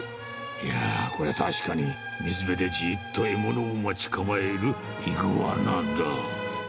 いやー、これ確かに、水辺でじっと獲物を待ち構えるイグアナだ。